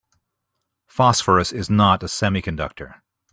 Phosphorus is not a semiconductor.